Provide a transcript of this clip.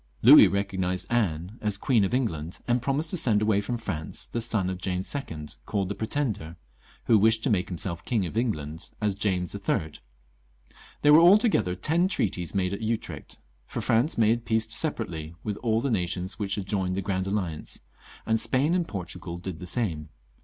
Louis recognised Anne as Queen of England, and promised to send away from France the son of James II., called the Pretender, who wished to make himseK King of England as James III. There were altogether ten treaties made at Utrecht, for France made peace separately with all the nations which had joined the Grand Alliance, and Spain and Portugal did the same.